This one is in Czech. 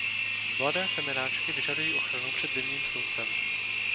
Mladé semenáčky vyžadují ochranu před zimním sluncem.